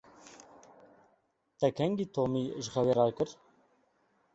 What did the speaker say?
Te kengî Tomî ji xewê rakir?